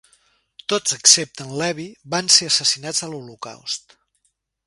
Tots excepte en Levie van ser assassinats a l'Holocaust.